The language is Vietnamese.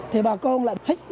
thì bà con lại hít lòng